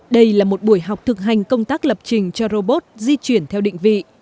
đây là một buổi học thực hành công tác lập trình cho robot di chuyển theo định vị